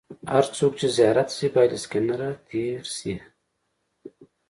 هر څوک چې زیارت ته ځي باید له سکېنر نه تېر شي.